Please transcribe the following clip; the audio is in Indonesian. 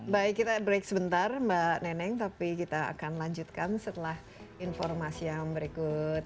baik kita break sebentar mbak neneng tapi kita akan lanjutkan setelah informasi yang berikut